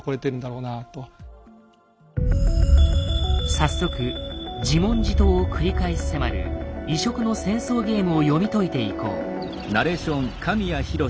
早速「自問自答」を繰り返し迫る異色の戦争ゲームを読み解いていこう。